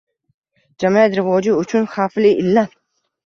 Jamiyat rivoji uchun xavfli illat